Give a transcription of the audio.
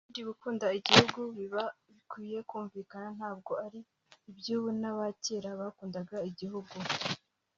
Ubundi gukunda igihugu biba bikwiye kumvikana ntabwo ari iby’ubu naba cyera bakundaga igihugu